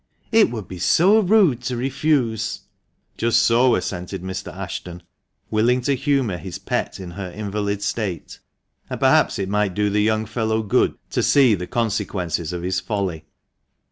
It would be so rude to refuse. "Just so, just so," assented Mr. Ashton, willing to humour his pet in her invalid state, and perhaps it might do the young fellow good to see the consequences of his folly.